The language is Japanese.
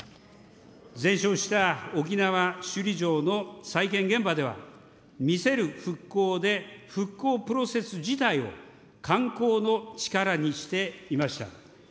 全焼した沖縄・首里城の再建現場では、「見せる復興」で復興プロセス自体を観光の力にしていました。